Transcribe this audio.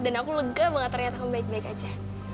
dan aku lega banget ternyata aku baik baik aja